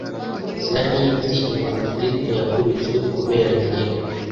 sinari nzi inkoni kristo yakubiswe kubera jyewe